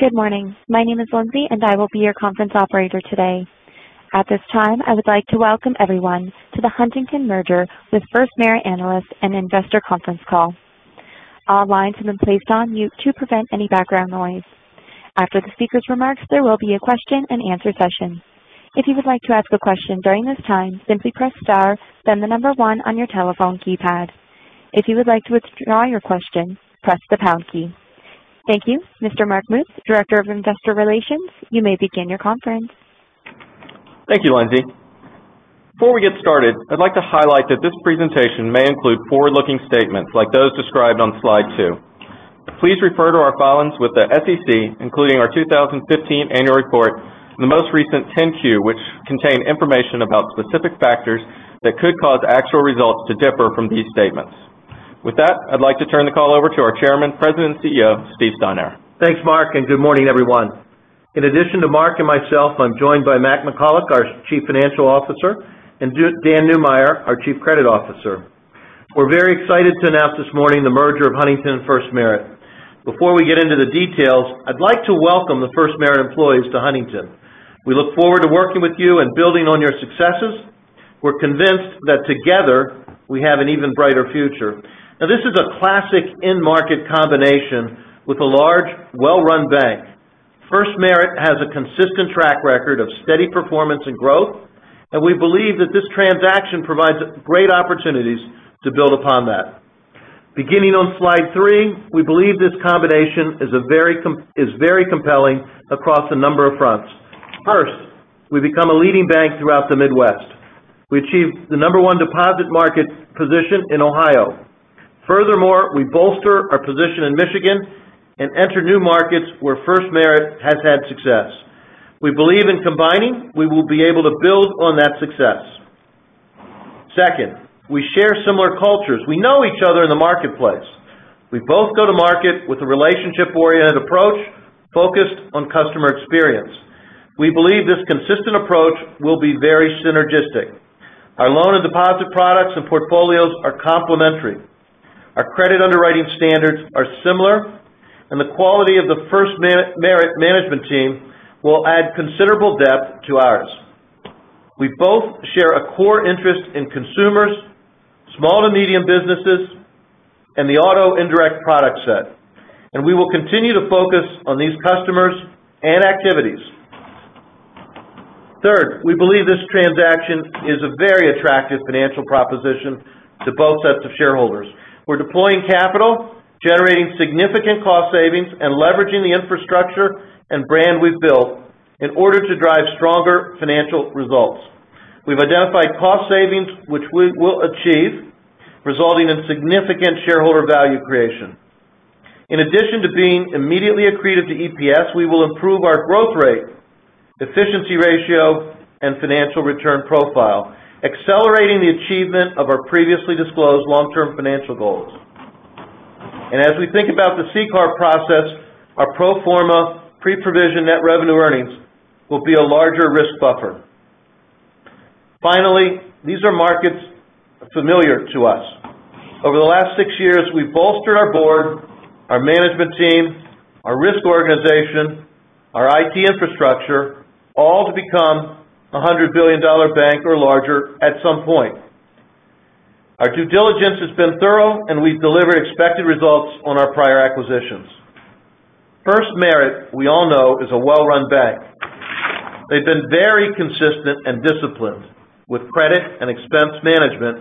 Good morning. My name is Lindsay, and I will be your conference operator today. At this time, I would like to welcome everyone to the Huntington merger with FirstMerit Analyst and Investor Conference Call. All lines have been placed on mute to prevent any background noise. After the speaker's remarks, there will be a question and answer session. If you would like to ask a question during this time, simply press star, then 1 on your telephone keypad. If you would like to withdraw your question, press the pound key. Thank you. Mr. Mark Muth, Director of Investor Relations, you may begin your conference. Thank you, Lindsay. Before we get started, I'd like to highlight that this presentation may include forward-looking statements like those described on slide two. Please refer to our filings with the SEC, including our 2015 annual report, the most recent 10-Q, which contain information about specific factors that could cause actual results to differ from these statements. With that, I'd like to turn the call over to our Chairman, President, CEO, Steve Steinour. Thanks, Mark, and good morning, everyone. In addition to Mark and myself, I'm joined by Mac McCullough, our Chief Financial Officer, and Dan Neumeyer, our Chief Credit Officer. We're very excited to announce this morning the merger of Huntington and FirstMerit. Before we get into the details, I'd like to welcome the FirstMerit employees to Huntington. We look forward to working with you and building on your successes. We're convinced that together we have an even brighter future. This is a classic end market combination with a large well-run bank. FirstMerit has a consistent track record of steady performance and growth, and we believe that this transaction provides great opportunities to build upon that. Beginning on slide three, we believe this combination is very compelling across a number of fronts. First, we become a leading bank throughout the Midwest. We achieve the number 1 deposit market position in Ohio. We bolster our position in Michigan and enter new markets where FirstMerit has had success. We believe in combining, we will be able to build on that success. We share similar cultures. We know each other in the marketplace. We both go to market with a relationship-oriented approach focused on customer experience. We believe this consistent approach will be very synergistic. Our loan and deposit products and portfolios are complementary. Our credit underwriting standards are similar, and the quality of the FirstMerit management team will add considerable depth to ours. We both share a core interest in consumers, small to medium businesses, and the auto indirect product set, and we will continue to focus on these customers and activities. We believe this transaction is a very attractive financial proposition to both sets of shareholders. We're deploying capital, generating significant cost savings, and leveraging the infrastructure and brand we've built in order to drive stronger financial results. We've identified cost savings, which we will achieve, resulting in significant shareholder value creation. In addition to being immediately accretive to EPS, we will improve our growth rate, efficiency ratio, and financial return profile, accelerating the achievement of our previously disclosed long-term financial goals. As we think about the CCAR process, our pro forma pre-provision net revenue earnings will be a larger risk buffer. Finally, these are markets familiar to us. Over the last six years, we've bolstered our board, our management team, our risk organization, our IT infrastructure, all to become a $100 billion bank or larger at some point. Our due diligence has been thorough, and we've delivered expected results on our prior acquisitions. FirstMerit, we all know, is a well-run bank. They've been very consistent and disciplined with credit and expense management,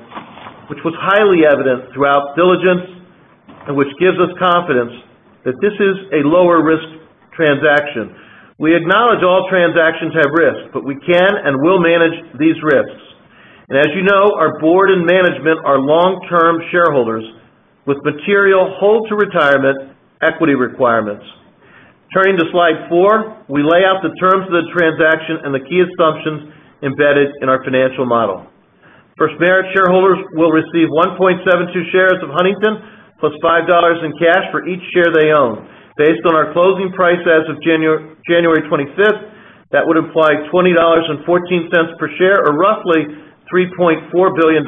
which was highly evident throughout diligence and which gives us confidence that this is a lower risk transaction. We acknowledge all transactions have risks, but we can and will manage these risks. As you know, our board and management are long-term shareholders with material hold to retirement equity requirements. Turning to slide four, we lay out the terms of the transaction and the key assumptions embedded in our financial model. FirstMerit shareholders will receive 1.72 shares of Huntington plus $5 in cash for each share they own. Based on our closing price as of January 25th, that would imply $20.14 per share or roughly $3.4 billion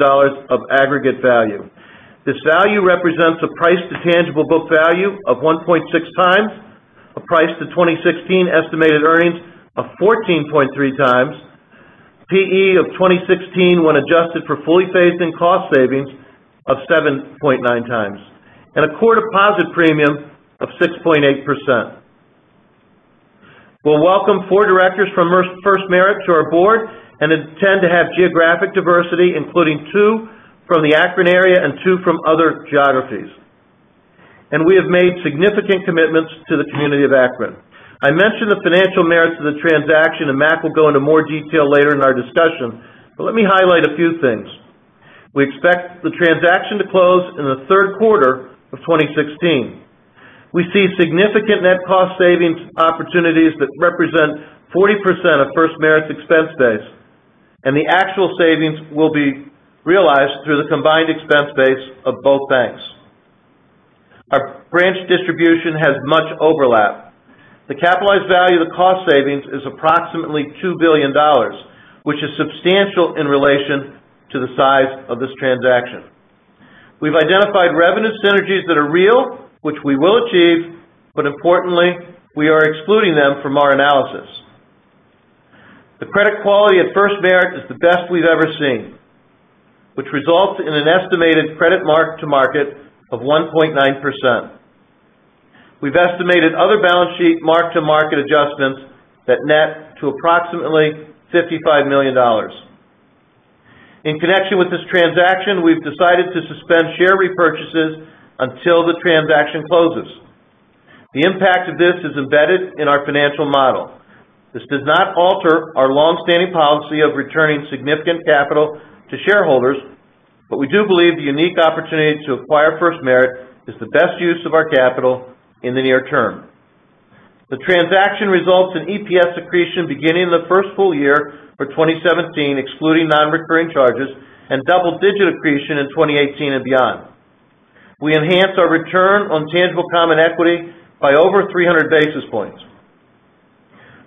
of aggregate value. This value represents a price to tangible book value of 1.6x, a price to 2016 estimated earnings of 14.3x, PE of 2016 when adjusted for fully phased-in cost savings of 7.9x, and a core deposit premium of 6.8%. We'll welcome four directors from FirstMerit to our board and intend to have geographic diversity, including two from the Akron area and two from other geographies. We have made significant commitments to the community of Akron. I mentioned the financial merits of the transaction, and Mac will go into more detail later in our discussion, but let me highlight a few things. We expect the transaction to close in the third quarter of 2016. We see significant net cost savings opportunities that represent 40% of FirstMerit's expense base, and the actual savings will be realized through the combined expense base of both banks. Our branch distribution has much overlap. The capitalized value of the cost savings is approximately $2 billion, which is substantial in relation to the size of this transaction. We've identified revenue synergies that are real, which we will achieve, but importantly, we are excluding them from our analysis. The credit quality at FirstMerit is the best we've ever seen, which results in an estimated credit mark-to-market of 1.9%. We've estimated other balance sheet mark-to-market adjustments that net to approximately $55 million. In connection with this transaction, we've decided to suspend share repurchases until the transaction closes. The impact of this is embedded in our financial model. This does not alter our longstanding policy of returning significant capital to shareholders, but we do believe the unique opportunity to acquire FirstMerit is the best use of our capital in the near term. The transaction results in EPS accretion beginning in the first full year for 2017, excluding non-recurring charges, and double-digit accretion in 2018 and beyond. We enhance our return on tangible common equity by over 300 basis points.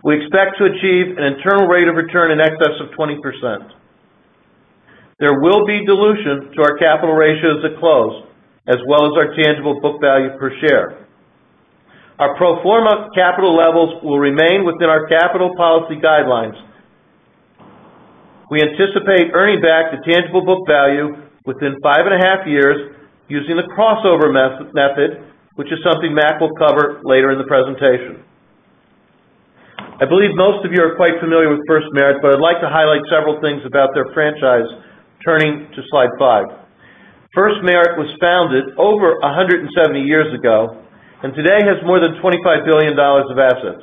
We expect to achieve an internal rate of return in excess of 20%. There will be dilution to our capital ratios at close, as well as our tangible book value per share. Our pro forma capital levels will remain within our capital policy guidelines. We anticipate earning back the tangible book value within five and a half years using the crossover method, which is something Matt will cover later in the presentation. I believe most of you are quite familiar with FirstMerit, but I'd like to highlight several things about their franchise. Turning to slide five. FirstMerit was founded over 170 years ago and today has more than $25 billion of assets.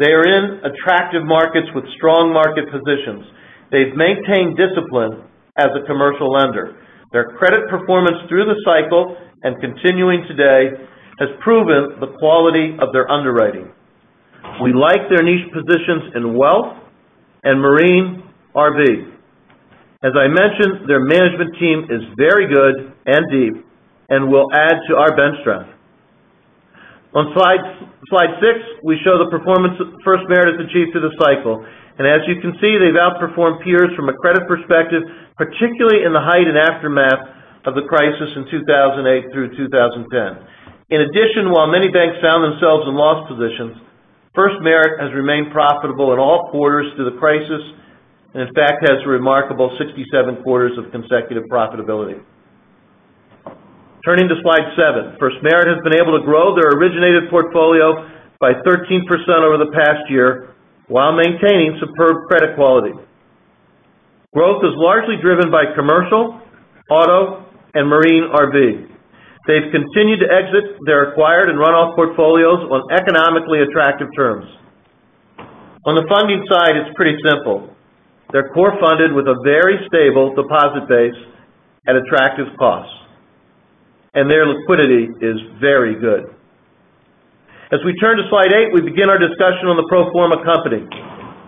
They are in attractive markets with strong market positions. They've maintained discipline as a commercial lender. Their credit performance through the cycle and continuing today has proven the quality of their underwriting. We like their niche positions in wealth and marine RV. As I mentioned, their management team is very good and deep and will add to our bench strength. On slide six, we show the performance FirstMerit has achieved through the cycle. As you can see, they've outperformed peers from a credit perspective, particularly in the height and aftermath of the crisis in 2008 through 2010. In addition, while many banks found themselves in loss positions, FirstMerit has remained profitable in all quarters through the crisis, and in fact, has a remarkable 67 quarters of consecutive profitability. Turning to slide seven. FirstMerit has been able to grow their originated portfolio by 13% over the past year while maintaining superb credit quality. Growth is largely driven by commercial, auto, and marine RV. They've continued to exit their acquired and run-off portfolios on economically attractive terms. On the funding side, it's pretty simple. They're core funded with a very stable deposit base at attractive costs. Their liquidity is very good. As we turn to slide eight, we begin our discussion on the pro forma company.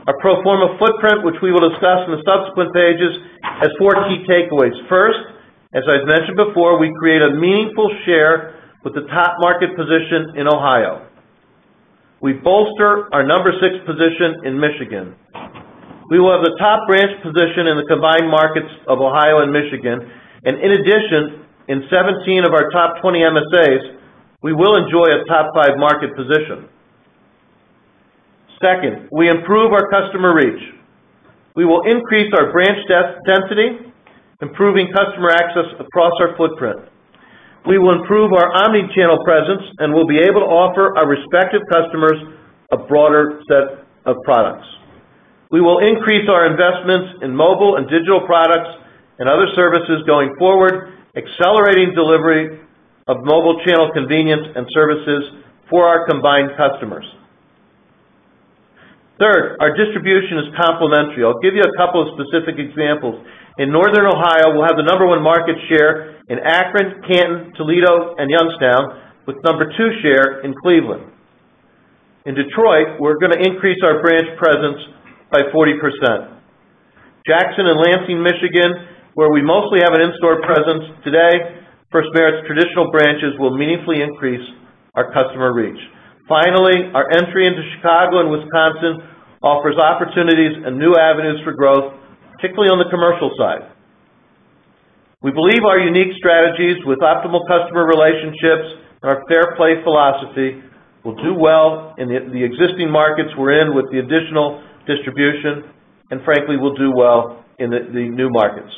Our pro forma footprint, which we will discuss in the subsequent pages, has four key takeaways. First, as I've mentioned before, we create a meaningful share with the top market position in Ohio. We bolster our number 6 position in Michigan. We will have the top branch position in the combined markets of Ohio and Michigan. In addition, in 17 of our top 20 MSAs, we will enjoy a top five market position. Second, we improve our customer reach. We will increase our branch density, improving customer access across our footprint. We will improve our omni-channel presence and will be able to offer our respective customers a broader set of products. We will increase our investments in mobile and digital products and other services going forward, accelerating delivery of mobile channel convenience and services for our combined customers. Third, our distribution is complementary. I'll give you a couple of specific examples. In northern Ohio, we'll have the number 1 market share in Akron, Canton, Toledo, and Youngstown, with number 2 share in Cleveland. In Detroit, we're going to increase our branch presence by 40%. Jackson and Lansing, Michigan, where we mostly have an in-store presence today, FirstMerit's traditional branches will meaningfully increase our customer reach. Finally, our entry into Chicago and Wisconsin offers opportunities and new avenues for growth, particularly on the commercial side. We believe our unique strategies with optimal customer relationships and our Fair Play philosophy will do well in the existing markets we're in with the additional distribution, and frankly, will do well in the new markets.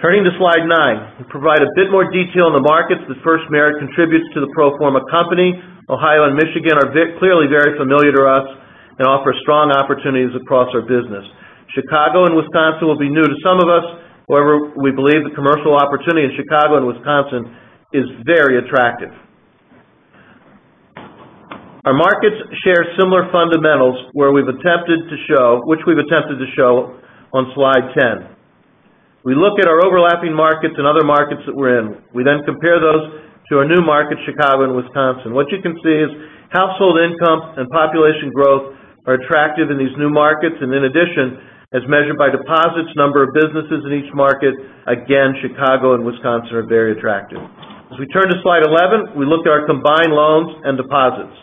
Turning to slide nine. We provide a bit more detail on the markets that FirstMerit contributes to the pro forma company. Ohio and Michigan are clearly very familiar to us and offer strong opportunities across our business. Chicago and Wisconsin will be new to some of us. However, we believe the commercial opportunity in Chicago and Wisconsin is very attractive. Our markets share similar fundamentals, which we've attempted to show on slide 10. We look at our overlapping markets and other markets that we're in. We then compare those to our new market, Chicago and Wisconsin. What you can see is household income and population growth are attractive in these new markets. In addition, as measured by deposits, number of businesses in each market, again, Chicago and Wisconsin are very attractive. As we turn to slide 11, we look at our combined loans and deposits.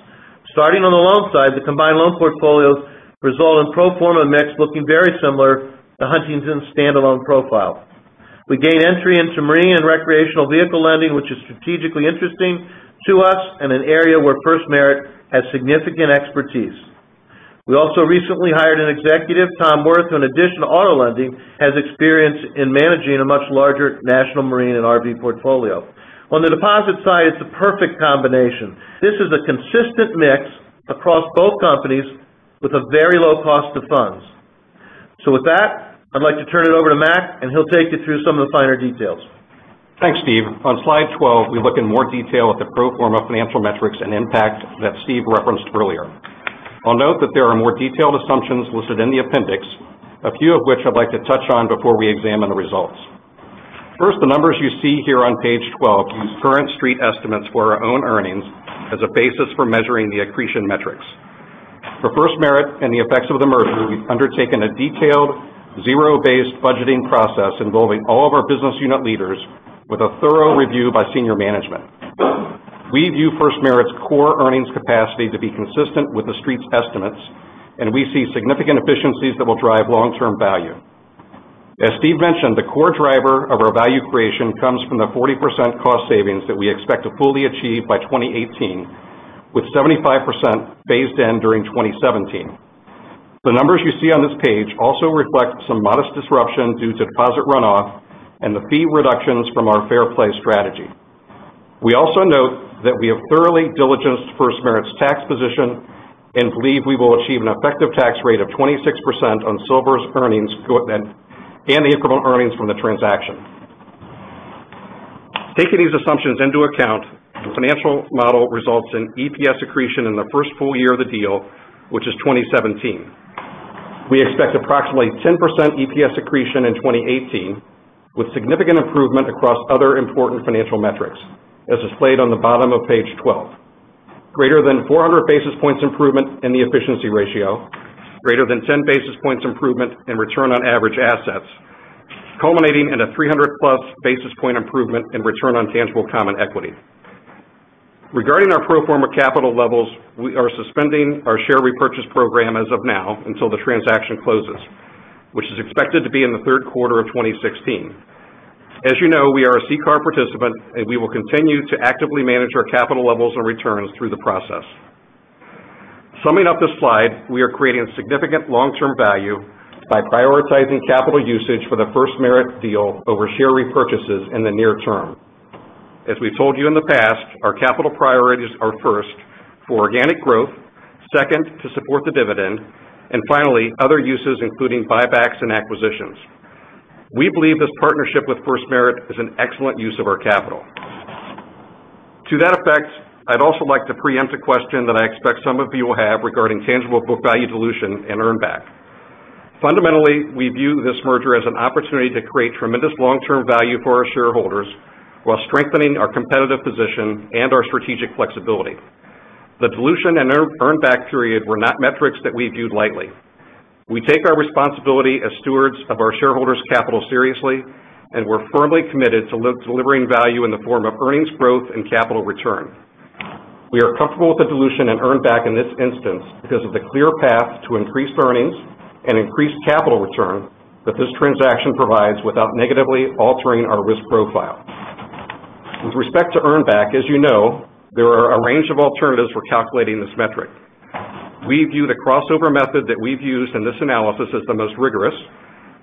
Starting on the loan side, the combined loan portfolios result in pro forma mix looking very similar to Huntington's standalone profile. We gain entry into marine and recreational vehicle lending, which is strategically interesting to us and an area where FirstMerit has significant expertise. We also recently hired an executive, Tom Worth, who in addition to auto lending, has experience in managing a much larger national marine and RV portfolio. On the deposit side, it's a perfect combination. This is a consistent mix across both companies with a very low cost of funds. With that, I'd like to turn it over to Matt, and he'll take you through some of the finer details. Thanks, Steve. On slide 12, we look in more detail at the pro forma financial metrics and impact that Steve referenced earlier. I'll note that there are more detailed assumptions listed in the appendix, a few of which I'd like to touch on before we examine the results. First, the numbers you see here on page 12 use current Street estimates for our own earnings as a basis for measuring the accretion metrics. For FirstMerit and the effects of the merger, we've undertaken a detailed zero-based budgeting process involving all of our business unit leaders with a thorough review by senior management. We view FirstMerit's core earnings capacity to be consistent with the Street's estimates, and we see significant efficiencies that will drive long-term value. As Steve mentioned, the core driver of our value creation comes from the 40% cost savings that we expect to fully achieve by 2018, with 75% phased in during 2017. The numbers you see on this page also reflect some modest disruption due to deposit runoff and the fee reductions from our Fair Play strategy. We also note that we have thoroughly diligenced FirstMerit's tax position and believe we will achieve an effective tax rate of 26% on Huntington's earnings and the incremental earnings from the transaction. Taking these assumptions into account, the financial model results in EPS accretion in the first full year of the deal, which is 2017. We expect approximately 10% EPS accretion in 2018, with significant improvement across other important financial metrics, as displayed on the bottom of page 12. Greater than 400 basis points improvement in the efficiency ratio, greater than 10 basis points improvement in return on average assets, culminating in a 300-plus basis point improvement in return on tangible common equity. Regarding our pro forma capital levels, we are suspending our share repurchase program as of now until the transaction closes, which is expected to be in the third quarter of 2016. As you know, we are a CCAR participant, and we will continue to actively manage our capital levels and returns through the process. Summing up this slide, we are creating significant long-term value by prioritizing capital usage for the FirstMerit deal over share repurchases in the near term. As we've told you in the past, our capital priorities are first, for organic growth; second, to support the dividend; finally, other uses, including buybacks and acquisitions. We believe this partnership with FirstMerit is an excellent use of our capital. To that effect, I'd also like to preempt a question that I expect some of you will have regarding tangible book value dilution and earn back. Fundamentally, we view this merger as an opportunity to create tremendous long-term value for our shareholders while strengthening our competitive position and our strategic flexibility. The dilution and earn back period were not metrics that we viewed lightly. We take our responsibility as stewards of our shareholders' capital seriously, we're firmly committed to delivering value in the form of earnings growth and capital return. We are comfortable with the dilution and earn back in this instance because of the clear path to increased earnings and increased capital return that this transaction provides without negatively altering our risk profile. With respect to earn back, as you know, there are a range of alternatives for calculating this metric. We view the crossover method that we've used in this analysis as the most rigorous,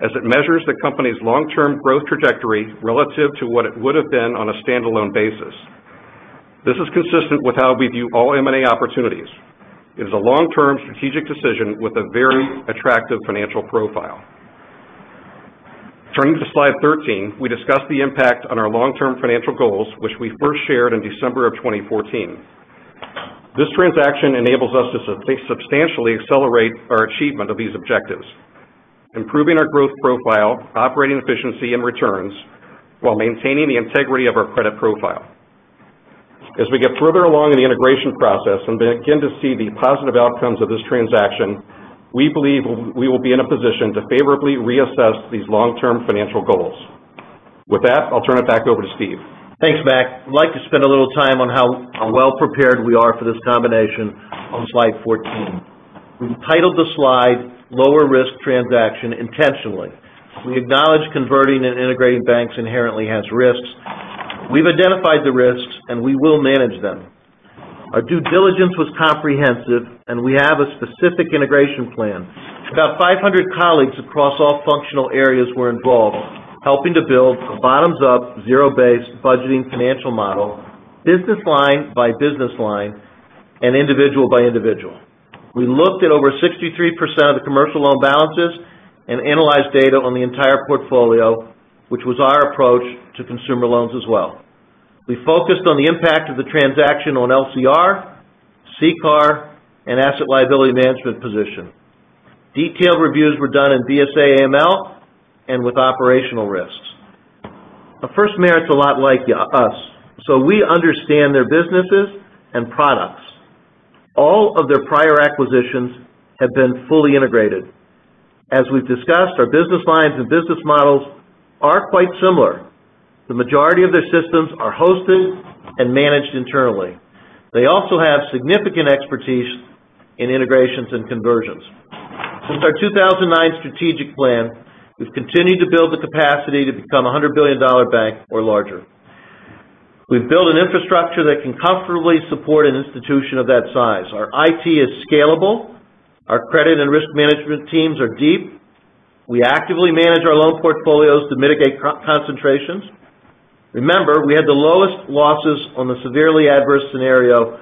as it measures the company's long-term growth trajectory relative to what it would have been on a standalone basis. This is consistent with how we view all M&A opportunities. It is a long-term strategic decision with a very attractive financial profile. Turning to slide 13, we discuss the impact on our long-term financial goals, which we first shared in December of 2014. This transaction enables us to substantially accelerate our achievement of these objectives, improving our growth profile, operating efficiency, and returns while maintaining the integrity of our credit profile. As we get further along in the integration process and begin to see the positive outcomes of this transaction, we believe we will be in a position to favorably reassess these long-term financial goals. With that, I'll turn it back over to Steve. Thanks, Matt. I'd like to spend a little time on how well prepared we are for this combination on slide 14. We've titled the slide "Lower Risk Transaction" intentionally. We acknowledge converting and integrating banks inherently has risks. We've identified the risks, and we will manage them. Our due diligence was comprehensive, and we have a specific integration plan. About 500 colleagues across all functional areas were involved, helping to build a bottoms-up, zero-based budgeting financial model, business line by business line, and individual by individual. We looked at over 63% of the commercial loan balances and analyzed data on the entire portfolio, which was our approach to consumer loans as well. We focused on the impact of the transaction on LCR, CCAR, and asset liability management position. Detailed reviews were done in BSA/AML and with operational risks. FirstMerit's a lot like us, we understand their businesses and products. All of their prior acquisitions have been fully integrated. As we've discussed, our business lines and business models are quite similar. The majority of their systems are hosted and managed internally. They also have significant expertise in integrations and conversions. Since our 2009 strategic plan, we've continued to build the capacity to become a $100 billion bank or larger. We've built an infrastructure that can comfortably support an institution of that size. Our IT is scalable. Our credit and risk management teams are deep. We actively manage our loan portfolios to mitigate concentrations. Remember, we had the lowest losses on the severely adverse scenario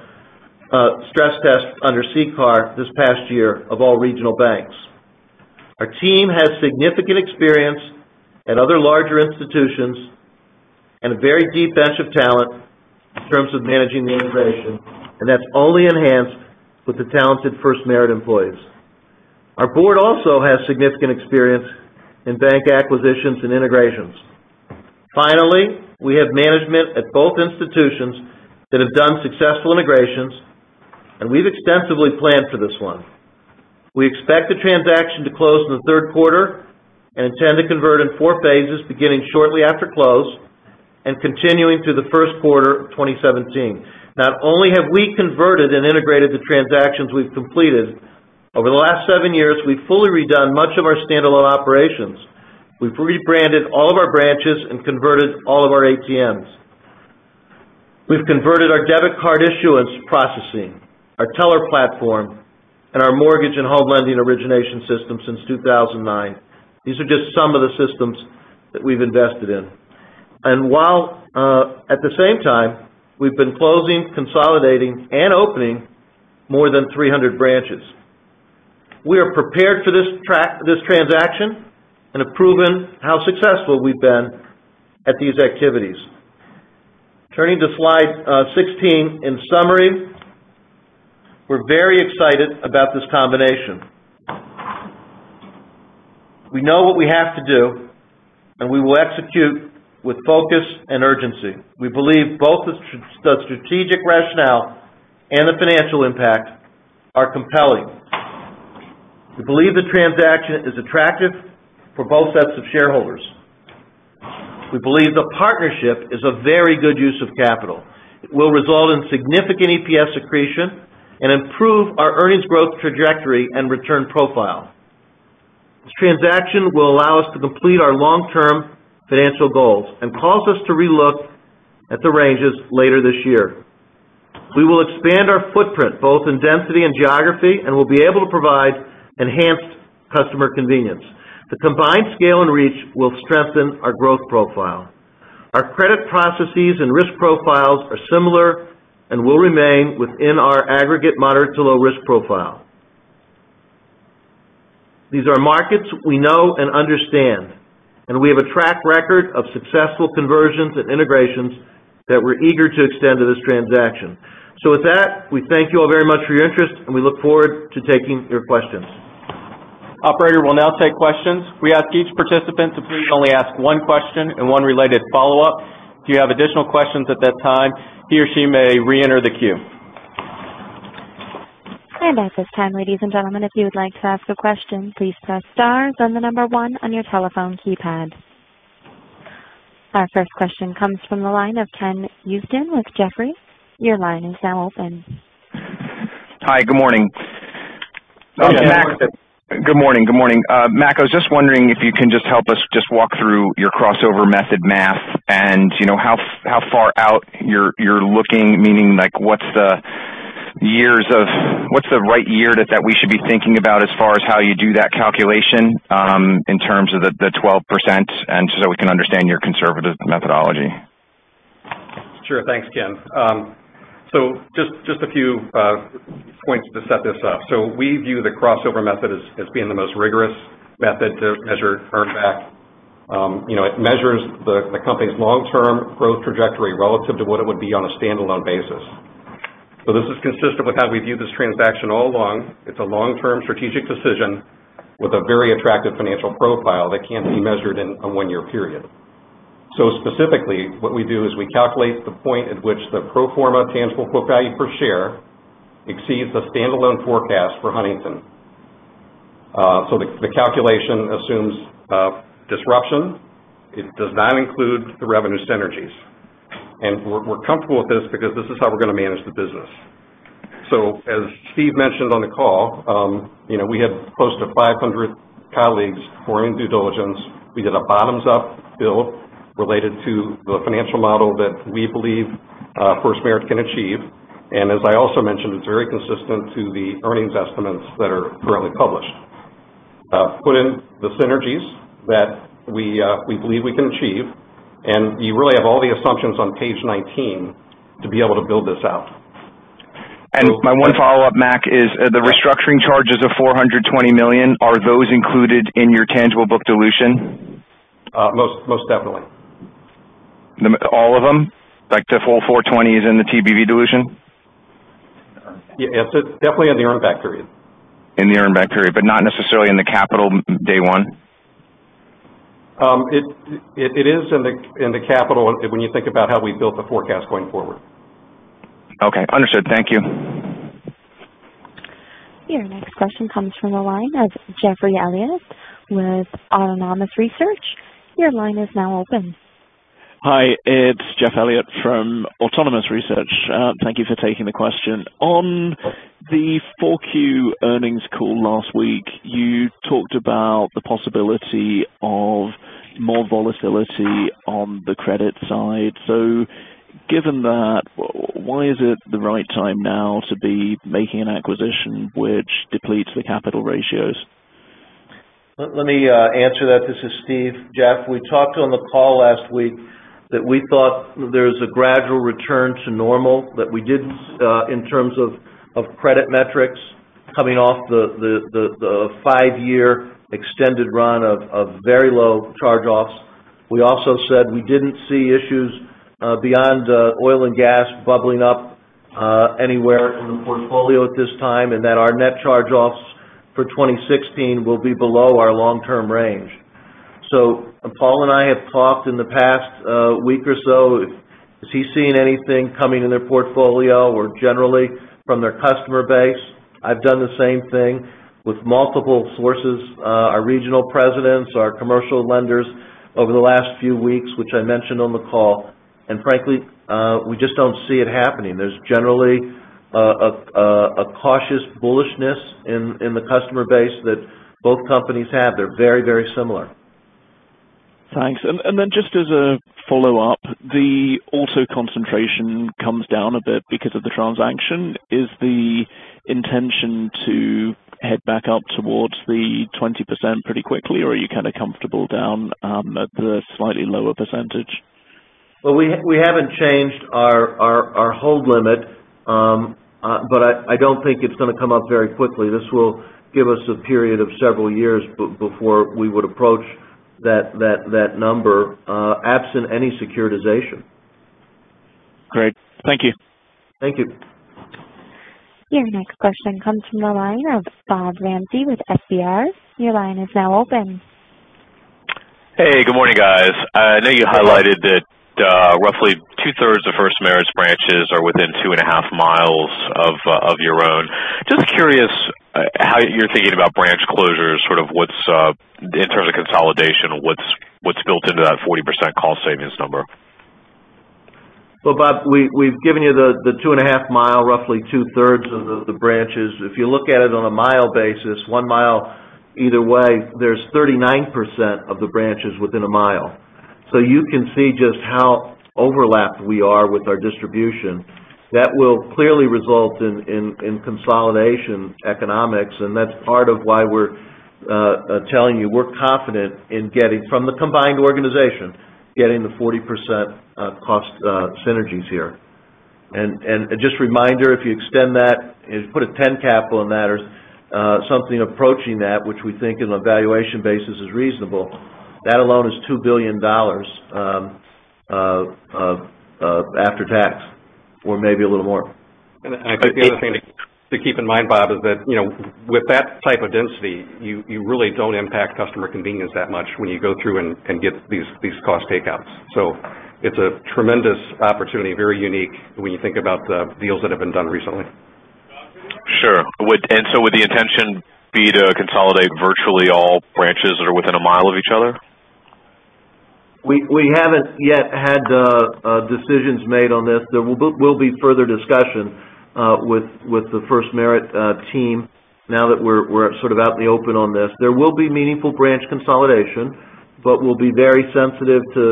stress test under CCAR this past year of all regional banks. Our team has significant experience at other larger institutions and a very deep bench of talent in terms of managing the integration, and that's only enhanced with the talented FirstMerit employees. Our board also has significant experience in bank acquisitions and integrations. Finally, we have management at both institutions that have done successful integrations, and we've extensively planned for this one. We expect the transaction to close in the third quarter and intend to convert in four phases, beginning shortly after close and continuing through the first quarter of 2017. Not only have we converted and integrated the transactions we've completed, over the last seven years, we've fully redone much of our standalone operations. We've rebranded all of our branches and converted all of our ATMs. We've converted our debit card issuance processing, our teller platform, and our mortgage and home lending origination system since 2009. These are just some of the systems that we've invested in. While at the same time, we've been closing, consolidating, and opening more than 300 branches. We are prepared for this transaction and have proven how successful we've been at these activities. Turning to slide 16. In summary, we're very excited about this combination. We know what we have to do, and we will execute with focus and urgency. We believe both the strategic rationale and the financial impact are compelling. We believe the transaction is attractive for both sets of shareholders. We believe the partnership is a very good use of capital. It will result in significant EPS accretion and improve our earnings growth trajectory and return profile. This transaction will allow us to complete our long-term financial goals and cause us to relook at the ranges later this year. We will expand our footprint, both in density and geography, and we'll be able to provide enhanced customer convenience. The combined scale and reach will strengthen our growth profile. Our credit processes and risk profiles are similar and will remain within our aggregate moderate to low risk profile. These are markets we know and understand, and we have a track record of successful conversions and integrations that we're eager to extend to this transaction. With that, we thank you all very much for your interest, and we look forward to taking your questions. Operator, we'll now take questions. We ask each participant to please only ask one question and one related follow-up. If you have additional questions at that time, he or she may reenter the queue. At this time, ladies and gentlemen, if you would like to ask a question, please press star then the number one on your telephone keypad. Our first question comes from the line of Ken Usdin with Jefferies. Your line is now open. Hi, good morning. Yes. Good morning. Mac, I was just wondering if you can just help us just walk through your crossover method math and how far out you're looking, meaning what's the right year that we should be thinking about as far as how you do that calculation, in terms of the 12%, and so we can understand your conservative methodology. Sure. Thanks, Ken. Just a few points to set this up. We view the crossover method as being the most rigorous method to measure earn back. It measures the company's long-term growth trajectory relative to what it would be on a standalone basis. This is consistent with how we viewed this transaction all along. It's a long-term strategic decision with a very attractive financial profile that can't be measured in a one-year period. Specifically, what we do is we calculate the point at which the pro forma tangible book value per share exceeds the standalone forecast for Huntington. The calculation assumes disruption. It does not include the revenue synergies. We're comfortable with this because this is how we're going to manage the business. As Steve mentioned on the call, we had close to 500 colleagues who were in due diligence. We did a bottoms-up build related to the financial model that we believe FirstMerit can achieve. As I also mentioned, it's very consistent to the earnings estimates that are currently published. Put in the synergies that we believe we can achieve, You really have all the assumptions on page 19 to be able to build this out. My one follow-up, Mac, is the restructuring charges of $420 million, are those included in your tangible book dilution? Most definitely. All of them? Like the full $420 is in the TBV dilution? Yeah, it's definitely in the earn back period. In the earn back period, but not necessarily in the capital day one? It is in the capital when you think about how we built the forecast going forward. Okay. Understood. Thank you. Your next question comes from the line of Geoffrey Elliott with Autonomous Research. Your line is now open. Hi, it's Geoffrey Elliott from Autonomous Research. Thank you for taking the question. On the 4Q earnings call last week, you talked about the possibility of more volatility on the credit side. Given that, why is it the right time now to be making an acquisition which depletes the capital ratios? Let me answer that. This is Steve. Jeff, we talked on the call last week that we thought there's a gradual return to normal that we did in terms of credit metrics coming off the five-year extended run of very low charge-offs. We also said we didn't see issues beyond oil and gas bubbling up anywhere in the portfolio at this time, and that our net charge-offs for 2016 will be below our long-term range. Paul and I have talked in the past week or so. Is he seeing anything coming in their portfolio or generally from their customer base? I've done the same thing with multiple sources, our regional presidents, our commercial lenders over the last few weeks, which I mentioned on the call. Frankly, we just don't see it happening. There's generally a cautious bullishness in the customer base that both companies have. They're very, very similar. Thanks. Just as a follow-up, the auto concentration comes down a bit because of the transaction. Is the intention to head back up towards the 20% pretty quickly, or are you kind of comfortable down at the slightly lower percentage? Well, we haven't changed our hold limit. I don't think it's going to come up very quickly. This will give us a period of several years before we would approach that number absent any securitization. Great. Thank you. Thank you. Your next question comes from the line of Bob Ramsey with FBR. Your line is now open. Hey, good morning, guys. I know you highlighted that roughly two-thirds of FirstMerit's branches are within two and a half miles of your own. Just curious how you're thinking about branch closures, sort of in terms of consolidation, what's built into that 40% cost savings number? Bob, we've given you the two and a half mile, roughly two-thirds of the branches. If you look at it on a mile basis, one mile either way, there's 39% of the branches within a mile. You can see just how overlapped we are with our distribution. That will clearly result in consolidation economics, and that's part of why we're telling you we're confident in getting from the combined organization, getting the 40% cost synergies here. Just a reminder, if you extend that and put a 10 capital in that or something approaching that, which we think in a valuation basis is reasonable, that alone is $2 billion after tax or maybe a little more. I think the other thing to keep in mind, Bob, is that with that type of density, you really don't impact customer convenience that much when you go through and get these cost takeouts. It's a tremendous opportunity, very unique when you think about the deals that have been done recently. Sure. Would the intention be to consolidate virtually all branches that are within a mile of each other? We haven't yet had decisions made on this. There will be further discussion with the FirstMerit team now that we're sort of out in the open on this. There will be meaningful branch consolidation, but we'll be very sensitive to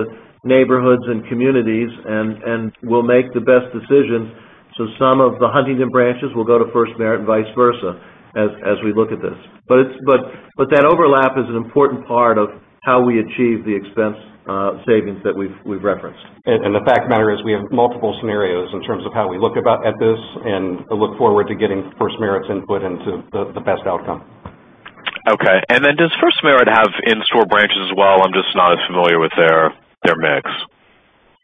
neighborhoods and communities, and we'll make the best decisions. Some of the Huntington branches will go to FirstMerit and vice versa as we look at this. That overlap is an important part of how we achieve the expense savings that we've referenced. The fact of the matter is we have multiple scenarios in terms of how we look at this, and I look forward to getting FirstMerit's input into the best outcome. Okay. Does FirstMerit have in-store branches as well? I'm just not as familiar with their mix.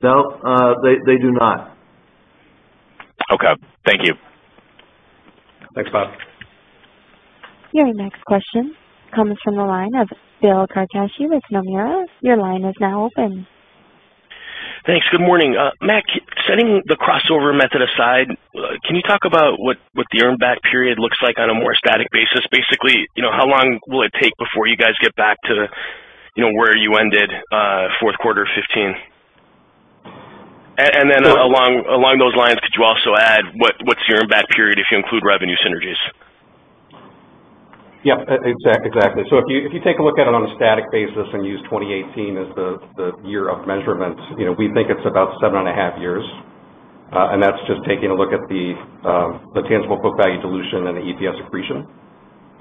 No, they do not. Okay. Thank you. Thanks, Bob. Your next question comes from the line of Bill Carcache with Nomura. Your line is now open. Thanks. Good morning. Mac, setting the crossover method aside, can you talk about what the earn back period looks like on a more static basis? Basically, how long will it take before you guys get back to where you ended fourth quarter of 2015? Along those lines, could you also add what's your earn back period if you include revenue synergies? Yeah, exactly. If you take a look at it on a static basis and use 2018 as the year of measurement, we think it's about seven and a half years. That's just taking a look at the tangible book value dilution and the EPS accretion.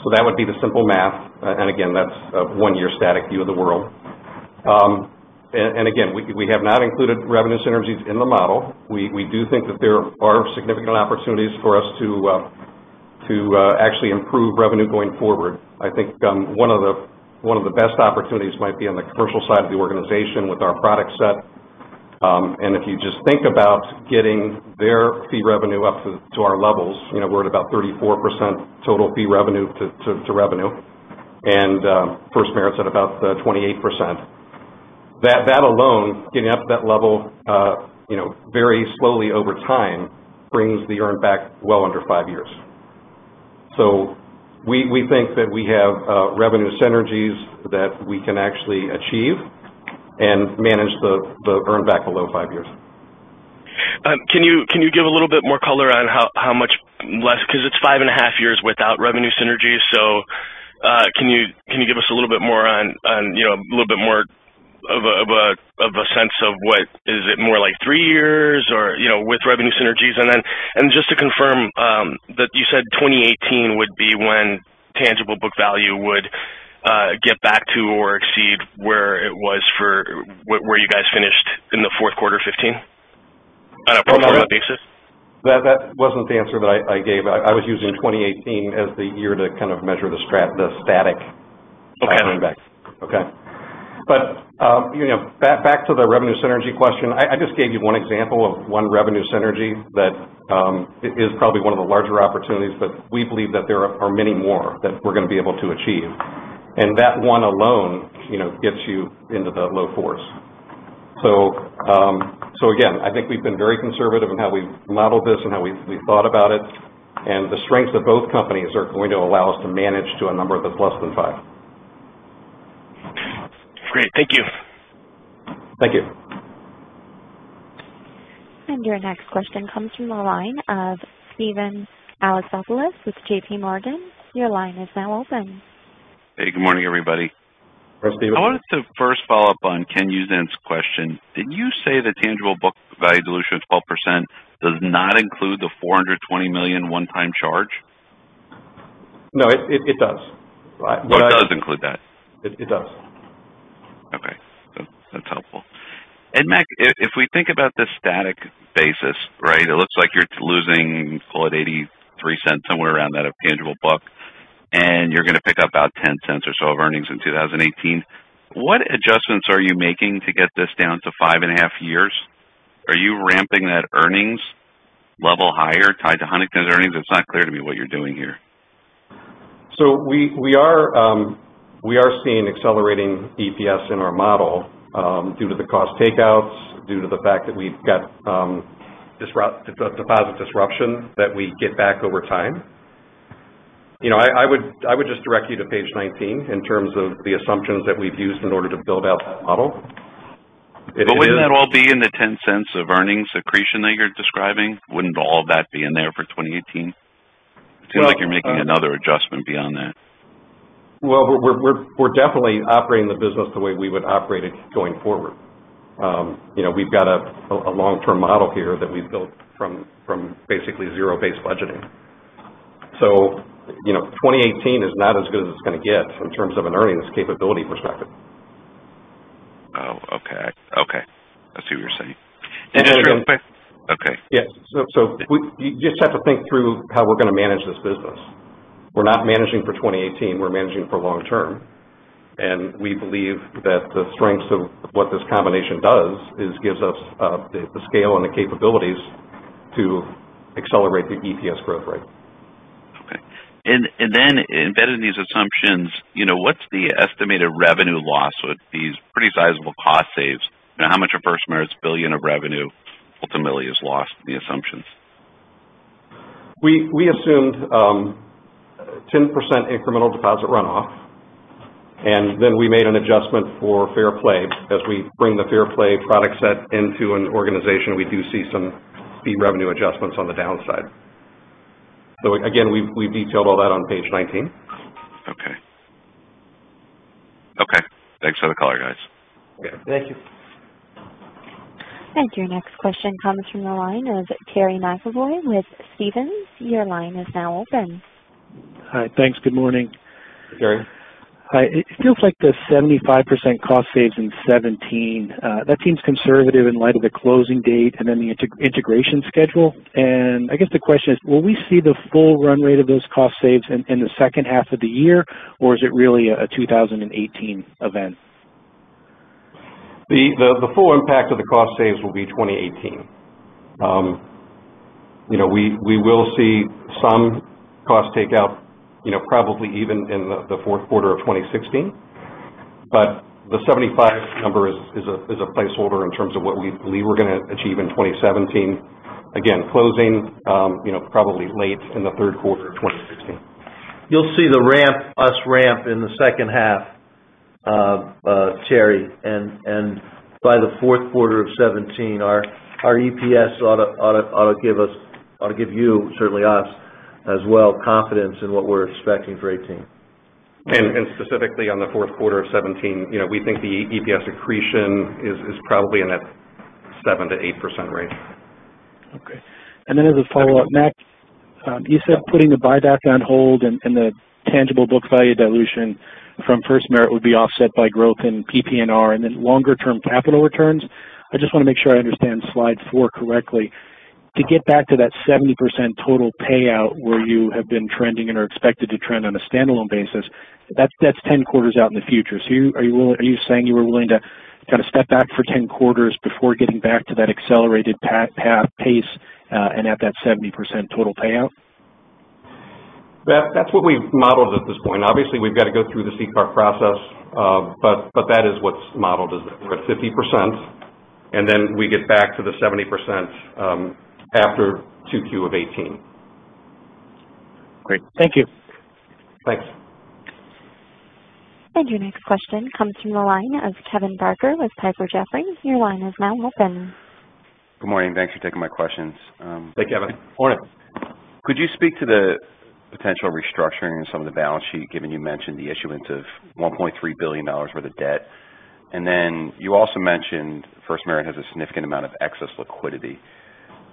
That would be the simple math. Again, that's a one-year static view of the world. Again, we have not included revenue synergies in the model. We do think that there are significant opportunities for us to actually improve revenue going forward. I think one of the best opportunities might be on the commercial side of the organization with our product set. If you just think about getting their fee revenue up to our levels, we're at about 34% total fee revenue to revenue, and FirstMerit's at about 28%. That alone, getting up to that level very slowly over time brings the earn back well under five years. We think that we have revenue synergies that we can actually achieve and manage the earn back below five years. Can you give a little bit more color on how much less? It's five and a half years without revenue synergies. Can you give us a little bit more of a sense of what is it more like three years or with revenue synergies? Then just to confirm that you said 2018 would be when tangible book value would get back to or exceed where you guys finished in the fourth quarter 2015 on a pro forma basis? That wasn't the answer that I gave. I was using 2018 as the year to kind of measure the static earn back. Okay. Okay. Back to the revenue synergy question. I just gave you one example of one revenue synergy that is probably one of the larger opportunities, but we believe that there are many more that we're going to be able to achieve. That one alone gets you into the low fours. Again, I think we've been very conservative in how we've modeled this and how we've thought about it. The strengths of both companies are going to allow us to manage to a number that's less than five. Great. Thank you. Thank you. Your next question comes from the line of Steven Alexopoulos with JPMorgan. Your line is now open. Hey, good morning, everybody. Steve. I wanted to first follow up on Ken Usdin's question. Did you say the tangible book value dilution of 12% does not include the $420 million one-time charge? No, it does. Oh, it does include that? It does. Okay. That's helpful. Mac, if we think about the static basis, it looks like you're losing, call it $0.83, somewhere around that of tangible book, and you're going to pick up about $0.10 or so of earnings in 2018. What adjustments are you making to get this down to five and a half years? Are you ramping that earnings level higher tied to Huntington's earnings? It's not clear to me what you're doing here. we are seeing accelerating EPS in our model due to the cost takeouts, due to the fact that we've got deposit disruption that we get back over time. I would just direct you to page 19 in terms of the assumptions that we've used in order to build out that model. Wouldn't that all be in the $0.10 of earnings accretion that you're describing? Wouldn't all that be in there for 2018? It seems like you're making another adjustment beyond that. We're definitely operating the business the way we would operate it going forward. We've got a long-term model here that we've built from basically zero-based budgeting. 2018 is not as good as it's going to get in terms of an earnings capability perspective. Oh, okay. I see what you're saying. And again- Okay. Yes. You just have to think through how we're going to manage this business. We're not managing for 2018, we're managing for long term. We believe that the strengths of what this combination does is gives us the scale and the capabilities to accelerate the EPS growth rate. Okay. Embedded in these assumptions, what's the estimated revenue loss with these pretty sizable cost saves? How much of FirstMerit's $1 billion of revenue ultimately is lost in the assumptions? We assumed 10% incremental deposit runoff, and then we made an adjustment for Fair Play. As we bring the Fair Play product set into an organization, we do see some fee revenue adjustments on the downside. Again, we've detailed all that on page 19. Okay. Thanks for the color, guys. Okay. Thank you. Your next question comes from the line of Terry McEvoy with Stephens. Your line is now open. Hi. Thanks. Good morning. Hey, Terry. Hi. It feels like the 75% cost saves in 2017, that seems conservative in light of the closing date and then the integration schedule. I guess the question is, will we see the full run rate of those cost saves in the second half of the year, or is it really a 2018 event? The full impact of the cost saves will be 2018. We will see some cost takeout probably even in the fourth quarter of 2016. The 75 number is a placeholder in terms of what we believe we're going to achieve in 2017. Again, closing probably late in the third quarter of 2016. You'll see us ramp in the second half, Terry. By the fourth quarter of 2017, our EPS ought to give you, certainly us as well, confidence in what we're expecting for 2018. Specifically on the fourth quarter of 2017, we think the EPS accretion is probably in that 7%-8% range. Okay. As a follow-up, Mac, you said putting the buyback on hold and the tangible book value dilution from FirstMerit would be offset by growth in PPNR and longer-term capital returns. I just want to make sure I understand slide four correctly. To get back to that 70% total payout where you have been trending and are expected to trend on a standalone basis, that's 10 quarters out in the future. Are you saying you were willing to kind of step back for 10 quarters before getting back to that accelerated path, pace, and at that 70% total payout? That's what we've modeled at this point. Obviously, we've got to go through the CCAR process, but that is what's modeled, is we're at 50%, and we get back to the 70% after 2Q of 2018. Great. Thank you. Thanks. Your next question comes from the line of Kevin Barker with Piper Jaffray. Your line is now open. Good morning. Thanks for taking my questions. Hey, Kevin. Morning. Could you speak to the potential restructuring of some of the balance sheet, given you mentioned the issuance of $1.3 billion worth of debt? Then you also mentioned FirstMerit has a significant amount of excess liquidity.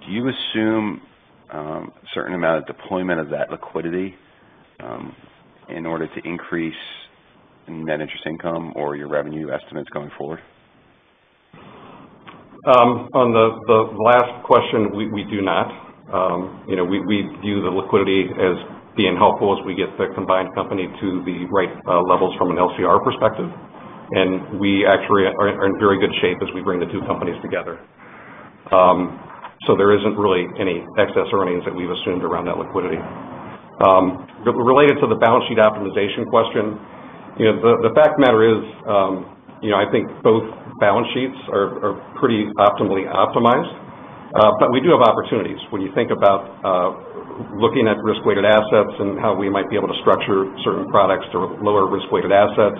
Do you assume a certain amount of deployment of that liquidity in order to increase net interest income or your revenue estimates going forward? We do not. We view the liquidity as being helpful as we get the combined company to the right levels from an LCR perspective. We actually are in very good shape as we bring the two companies together. There isn't really any excess earnings that we've assumed around that liquidity. Related to the balance sheet optimization question, the fact of the matter is, I think both balance sheets are pretty optimally optimized. We do have opportunities. When you think about looking at risk-weighted assets and how we might be able to structure certain products to lower risk-weighted assets,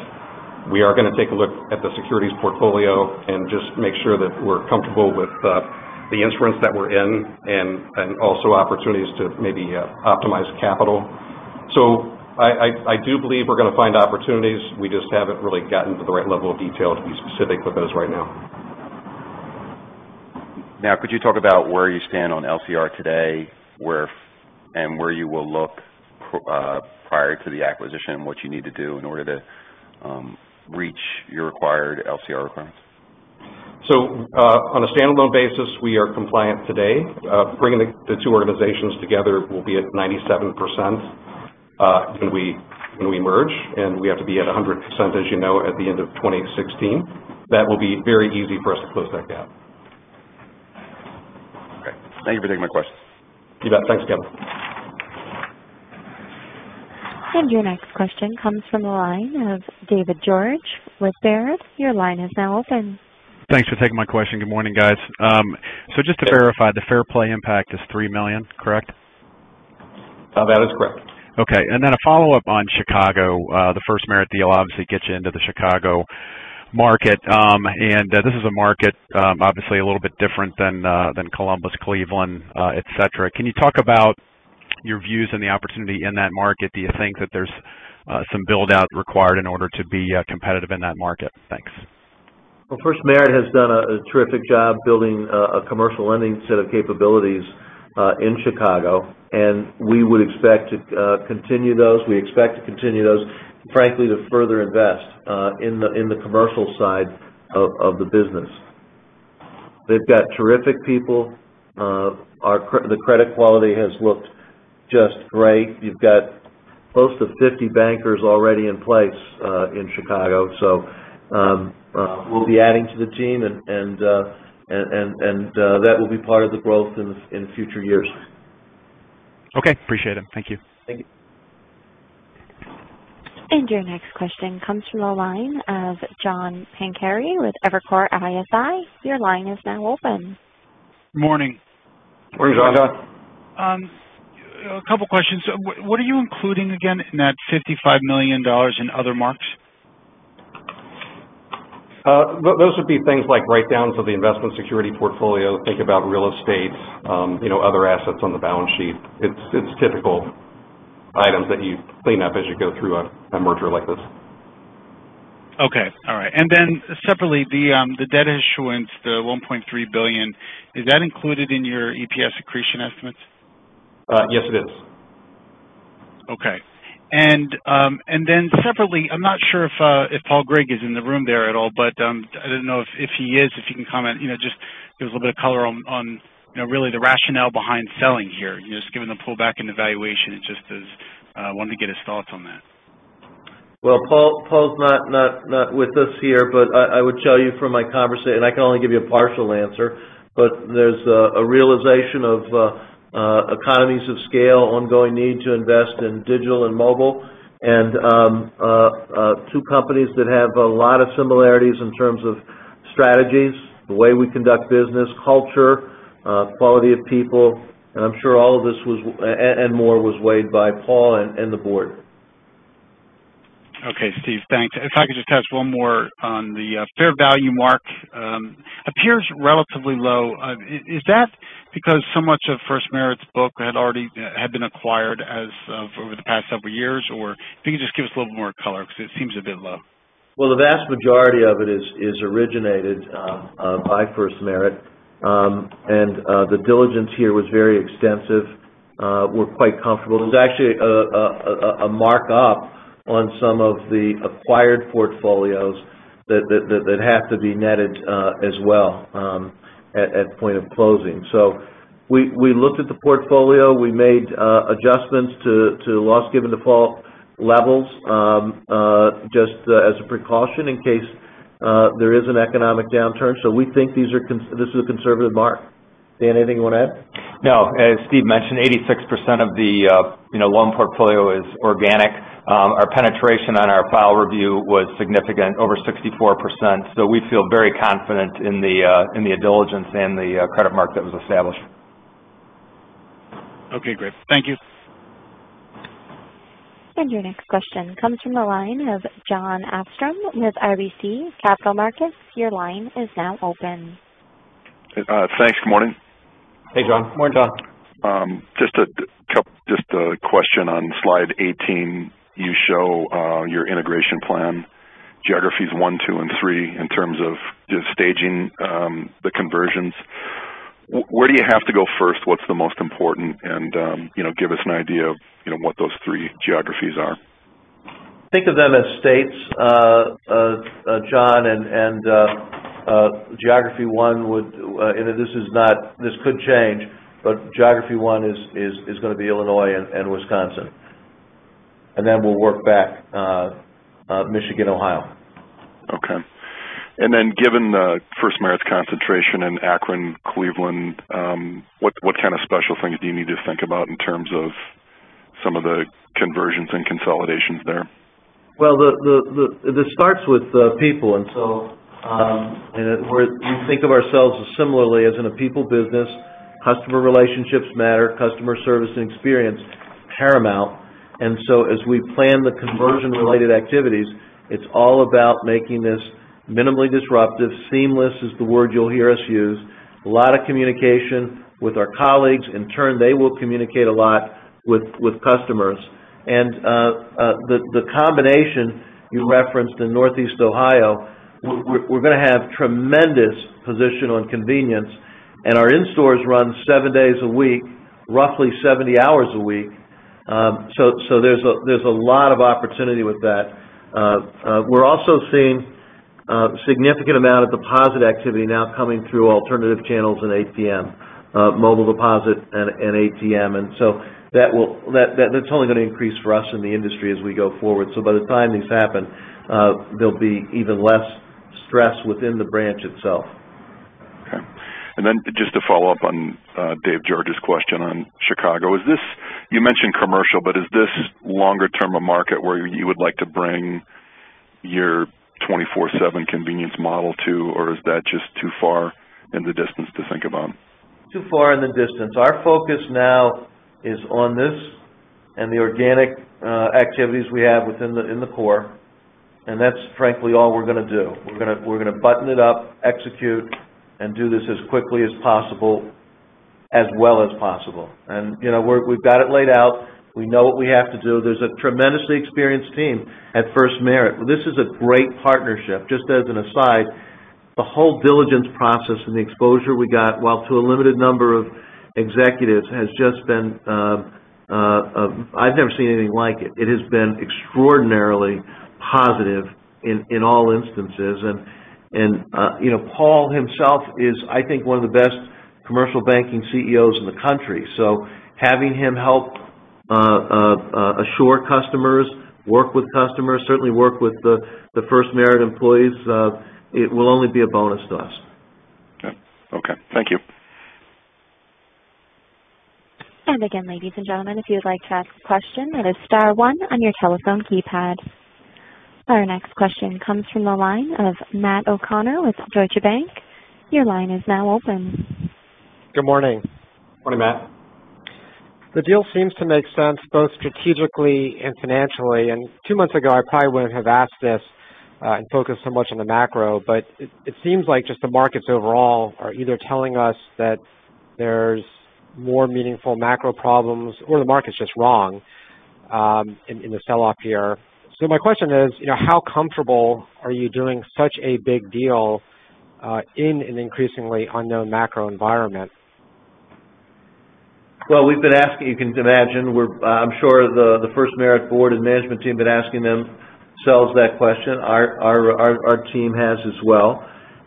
we are going to take a look at the securities portfolio and just make sure that we're comfortable with the instruments that we're in, and also opportunities to maybe optimize capital. I do believe we're going to find opportunities. We just haven't really gotten to the right level of detail to be specific with those right now. Could you talk about where you stand on LCR today, and where you will look prior to the acquisition, and what you need to do in order to reach your required LCR requirements? On a standalone basis, we are compliant today. Bringing the two organizations together, we'll be at 97% when we merge, and we have to be at 100%, as you know, at the end of 2016. That will be very easy for us to close that gap. Okay. Thank you for taking my questions. You bet. Thanks, Kevin. Your next question comes from the line of David George with Baird. Your line is now open. Thanks for taking my question. Good morning, guys. David. Just to verify, the Fair Play impact is $3 million, correct? That is correct. Then a follow-up on Chicago. The FirstMerit deal obviously gets you into the Chicago market. This is a market, obviously a little bit different than Columbus, Cleveland, et cetera. Can you talk about your views on the opportunity in that market? Thanks. Well, FirstMerit has done a terrific job building a commercial lending set of capabilities in Chicago, and we would expect to continue those. We expect to continue those, frankly, to further invest in the commercial side of the business. They've got terrific people. The credit quality has looked just great. You've got close to 50 bankers already in place in Chicago. We'll be adding to the team, and that will be part of the growth in future years. Okay. Appreciate it. Thank you. Thank you. Your next question comes from the line of John Pancari with Evercore ISI. Your line is now open. Morning. Morning, John. A couple questions. What are you including again in that $55 million in other marks? Those would be things like write-downs of the investment security portfolio. Think about real estate, other assets on the balance sheet. It's typical items that you clean up as you go through a merger like this. Okay. All right. Separately, the debt issuance, the $1.3 billion, is that included in your EPS accretion estimates? Yes, it is. Okay. Separately, I'm not sure if Paul Greig is in the room there at all, but I didn't know if he is, if he can comment, just give us a little bit of color on really the rationale behind selling here. Just given the pullback in the valuation, I just wanted to get his thoughts on that. Well, Paul's not with us here, but I would tell you from my conversation, and I can only give you a partial answer, but there's a realization of economies of scale, ongoing need to invest in digital and mobile, and two companies that have a lot of similarities in terms of strategies, the way we conduct business, culture, quality of people, and I'm sure all of this and more was weighed by Paul and the board. Okay. Steve, thanks. If I could just ask one more on the fair value mark. Appears relatively low. Is that because so much of FirstMerit's book had been acquired over the past several years? Or if you could just give us a little more color, because it seems a bit low. Well, the vast majority of it is originated by FirstMerit. The diligence here was very extensive. We're quite comfortable. There's actually a mark-up on some of the acquired portfolios that have to be netted as well at point of closing. We looked at the portfolio, we made adjustments to loss given default levels just as a precaution in case there is an economic downturn. We think this is a conservative mark. Dan, anything you want to add? No. As Steve mentioned, 86% of the loan portfolio is organic. Our penetration on our file review was significant, over 64%. We feel very confident in the due diligence and the credit mark that was established. Okay, great. Thank you. Your next question comes from the line of Jon Arfstrom with RBC Capital Markets. Your line is now open. Thanks. Good morning. Hey, Jon. Morning, John. Just a question on slide 18. You show your integration plan, geographies one, two, and three, in terms of just staging the conversions. Where do you have to go first? What's the most important? Give us an idea of what those three geographies are. Think of them as states, John. Geography one this could change, geography one is going to be Illinois and Wisconsin. Then we'll work back. Michigan, Ohio. Okay. Given FirstMerit's concentration in Akron, Cleveland, what kind of special things do you need to think about in terms of some of the conversions and consolidations there? Well, this starts with people, we think of ourselves as similarly as in a people business, customer relationships matter, customer service and experience, paramount. As we plan the conversion related activities, it's all about making this minimally disruptive, seamless is the word you'll hear us use. A lot of communication with our colleagues. In turn, they will communicate a lot with customers. The combination you referenced in Northeast Ohio, we're going to have tremendous positional and convenience, and our in-stores run seven days a week, roughly 70 hours a week. There's a lot of opportunity with that. We're also seeing significant amount of deposit activity now coming through alternative channels and ATM, mobile deposit and ATM. That's only going to increase for us in the industry as we go forward. By the time this happens, there'll be even less stress within the branch itself. Okay. Just to follow up on David George's question on Chicago. You mentioned commercial, is this longer term a market where you would like to bring your 24/7 convenience model to, or is that just too far in the distance to think about? Too far in the distance. Our focus now is on this and the organic activities we have within the core, and that's frankly all we're going to do. We're going to button it up, execute, and do this as quickly as possible, as well as possible. We've got it laid out. We know what we have to do. There's a tremendously experienced team at FirstMerit. This is a great partnership. Just as an aside, the whole diligence process and the exposure we got, while to a limited number of executives, has just been. I've never seen anything like it. It has been extraordinarily positive in all instances. Paul himself is, I think, one of the best commercial banking CEOs in the country. Having him help assure customers, work with customers, certainly work with the FirstMerit employees, it will only be a bonus to us. Okay. Thank you. Again, ladies and gentlemen, if you would like to ask a question, that is star one on your telephone keypad. Our next question comes from the line of Matt O'Connor with Deutsche Bank. Your line is now open. Good morning. Morning, Matt. The deal seems to make sense both strategically and financially. Two months ago, I probably wouldn't have asked this and focused so much on the macro. It seems like just the markets overall are either telling us that there's more meaningful macro problems or the market's just wrong in the sell-off year. My question is, how comfortable are you doing such a big deal in an increasingly unknown macro environment? We've been asking, you can imagine, I'm sure the FirstMerit board and management team have been asking themselves that question. Our team has as well.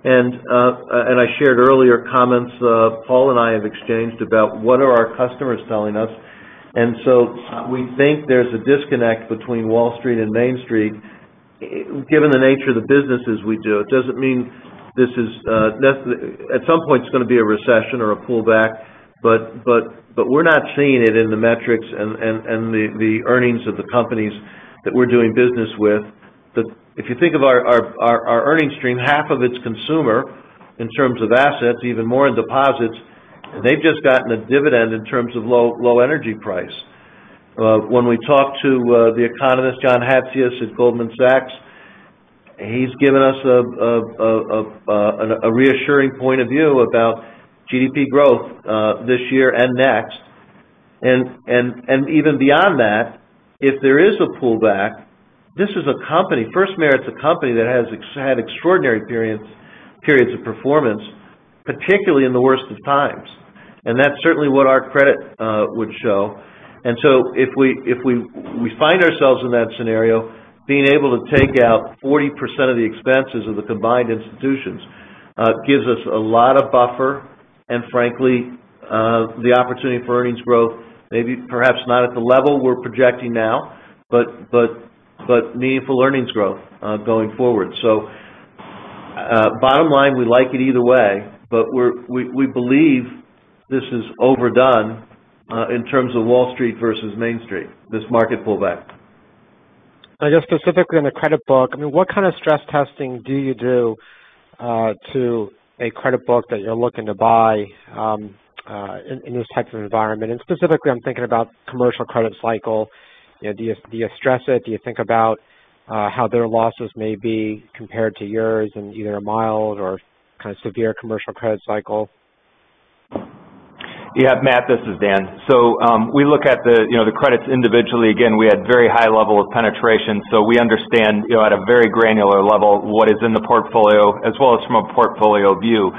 I shared earlier comments Paul and I have exchanged about what are our customers telling us. We think there's a disconnect between Wall Street and Main Street, given the nature of the businesses we do. It doesn't mean at some point, it's going to be a recession or a pullback, but we're not seeing it in the metrics and the earnings of the companies that we're doing business with. If you think of our earning stream, half of it's consumer in terms of assets, even more in deposits. They've just gotten a dividend in terms of low energy price. When we talk to the economist, Jan Hatzius at Goldman Sachs, he's given us a reassuring point of view about GDP growth this year and next. Even beyond that, if there is a pullback, FirstMerit's a company that has had extraordinary experience Periods of performance, particularly in the worst of times. That's certainly what our credit would show. If we find ourselves in that scenario, being able to take out 40% of the expenses of the combined institutions gives us a lot of buffer, and frankly, the opportunity for earnings growth, maybe perhaps not at the level we're projecting now, but meaningful earnings growth going forward. Bottom line, we like it either way, but we believe this is overdone in terms of Wall Street versus Main Street, this market pullback. I guess specifically on the credit book, what kind of stress testing do you do to a credit book that you're looking to buy in this type of environment? Specifically, I'm thinking about commercial credit cycle. Do you stress it? Do you think about how their losses may be compared to yours in either a mild or kind of severe commercial credit cycle? Matt, this is Dan. We look at the credits individually. Again, we had very high level of penetration, so we understand at a very granular level what is in the portfolio as well as from a portfolio view.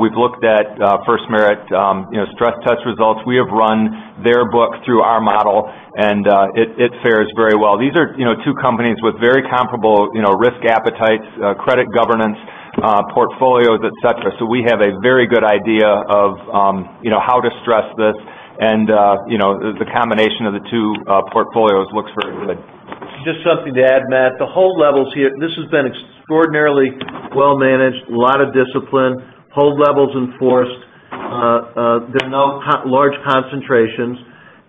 We've looked at FirstMerit stress test results. We have run their book through our model, it fares very well. These are two companies with very comparable risk appetites, credit governance portfolios, et cetera. We have a very good idea of how to stress this. The combination of the two portfolios looks very good. Just something to add, Matt. The hold levels here, this has been extraordinarily well managed, lot of discipline, hold levels enforced. There are no large concentrations.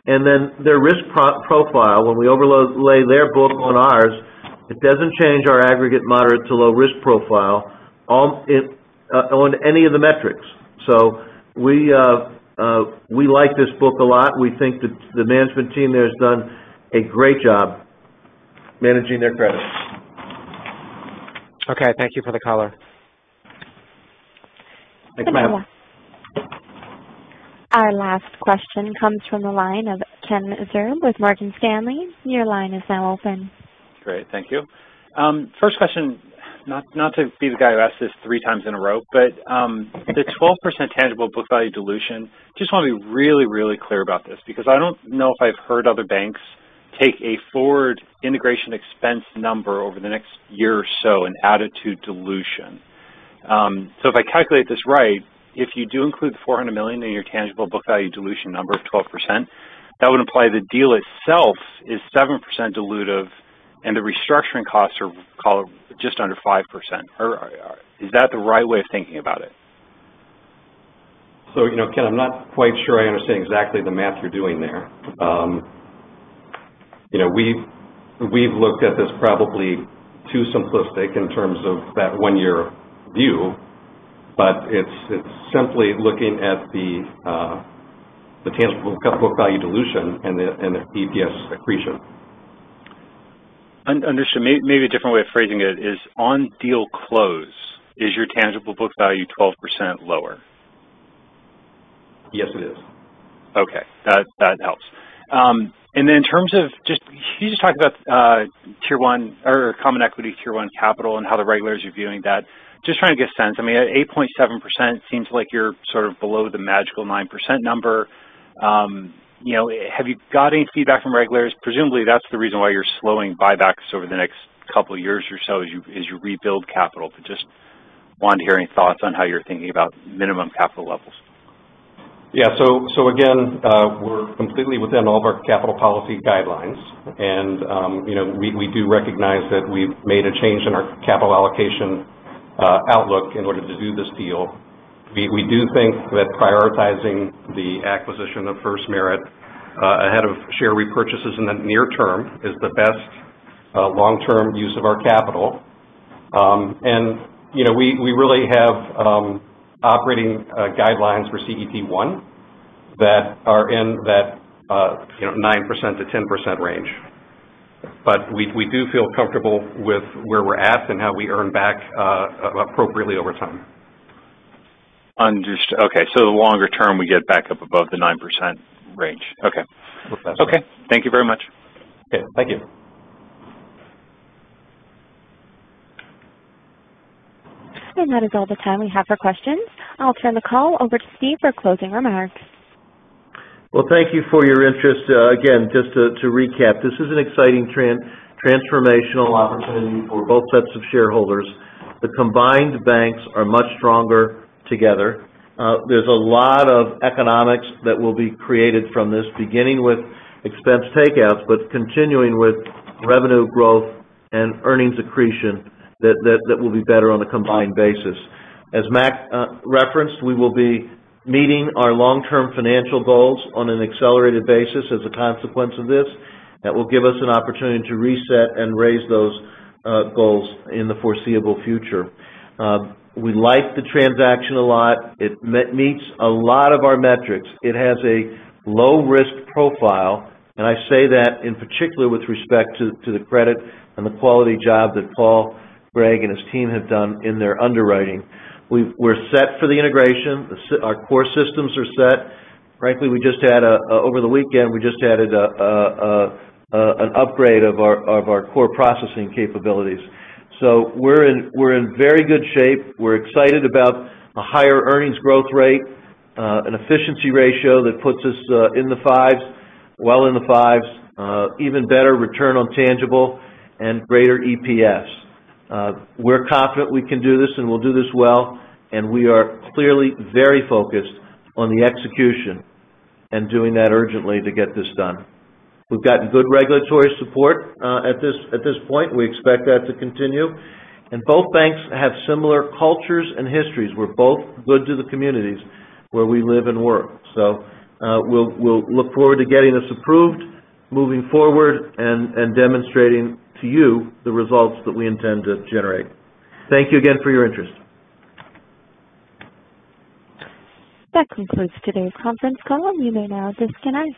Their risk profile, when we overlay their book on ours, it doesn't change our aggregate moderate to low risk profile on any of the metrics. We like this book a lot. We think that the management team there has done a great job managing their credits. Okay. Thank you for the color. Thanks, Matt. Our last question comes from the line of Kenneth Zerbe with Morgan Stanley. Your line is now open. Great. Thank you. First question, not to be the guy who asks this three times in a row, but the 12% tangible book value dilution, just want to be really, really clear about this because I don't know if I've heard other banks take a forward integration expense number over the next year or so and add it to dilution. If I calculate this right, if you do include the $400 million in your tangible book value dilution number of 12%, that would imply the deal itself is 7% dilutive and the restructuring costs are just under 5%. Is that the right way of thinking about it? Ken, I'm not quite sure I understand exactly the math you're doing there. We've looked at this probably too simplistic in terms of that one year view, but it's simply looking at the tangible book value dilution and the EPS accretion. Understood. Maybe a different way of phrasing it is on deal close, is your tangible book value 12% lower? Yes, it is. Okay. That helps. In terms of just, can you just talk about common equity Tier 1 capital and how the regulators are viewing that? Just trying to get a sense. I mean, at 8.7% seems like you're sort of below the magical 9% number. Have you got any feedback from regulators? Presumably, that's the reason why you're slowing buybacks over the next couple of years or so as you rebuild capital. Just wanted to hear any thoughts on how you're thinking about minimum capital levels. Yeah. Again, we're completely within all of our capital policy guidelines. We do recognize that we've made a change in our capital allocation outlook in order to do this deal. We do think that prioritizing the acquisition of FirstMerit ahead of share repurchases in the near term is the best long-term use of our capital. We really have operating guidelines for CET1 that are in that 9%-10% range. We do feel comfortable with where we're at and how we earn back appropriately over time. Understood. Okay. Longer term, we get back up above the 9% range. Okay. Hope that's right. Okay. Thank you very much. Okay. Thank you. That is all the time we have for questions. I'll turn the call over to Steve for closing remarks. Well, thank you for your interest. Again, just to recap, this is an exciting transformational opportunity for both sets of shareholders. The combined banks are much stronger together. There's a lot of economics that will be created from this, beginning with expense takeouts, but continuing with revenue growth and earnings accretion that will be better on a combined basis. As Mac referenced, we will be meeting our long-term financial goals on an accelerated basis as a consequence of this. That will give us an opportunity to reset and raise those goals in the foreseeable future. We like the transaction a lot. It meets a lot of our metrics. It has a low risk profile, and I say that in particular with respect to the credit and the quality job that Paul Greig and his team have done in their underwriting. We're set for the integration. Our core systems are set. Frankly, over the weekend, we just added an upgrade of our core processing capabilities. We're in very good shape. We're excited about a higher earnings growth rate, an efficiency ratio that puts us in the fives, well in the fives, even better return on tangible and greater EPS. We're confident we can do this and we'll do this well, and we are clearly very focused on the execution and doing that urgently to get this done. We've gotten good regulatory support at this point. We expect that to continue. Both banks have similar cultures and histories. We're both good to the communities where we live and work. We'll look forward to getting this approved, moving forward, and demonstrating to you the results that we intend to generate. Thank you again for your interest. That concludes today's conference call, and you may now disconnect.